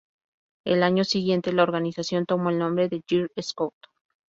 El año siguiente la organización tomó el nombre de 'Girl Scouts'.